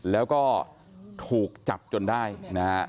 แล้วก็ถูกจับจนได้นะฮะ